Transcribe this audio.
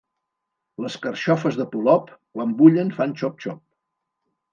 Les carxofes de Polop, quan bullen fan xop-xop.